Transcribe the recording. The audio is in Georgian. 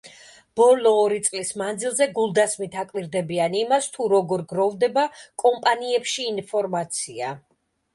ბოლო ორი წლის მანძილზე გულდასმით აკვირდებიან იმას, თუ როგორ გროვდება კომპანიებში ინფორმაცია.